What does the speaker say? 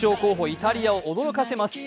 イタリアを驚かせます。